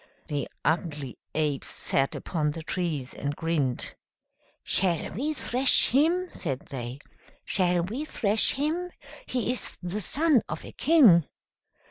The ugly apes sat upon the trees, and grinned. "Shall we thrash him?" said they. "Shall we thrash him? He is the son of a king!"